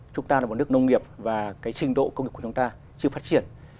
chúng ta là một nước nông nghiệp và cái trình độ công nghiệp của chúng ta chưa phát triển